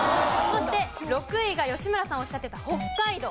そして６位が吉村さんおっしゃってた北海道。